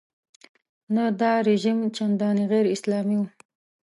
نه دا رژیم چندانې غیراسلامي و.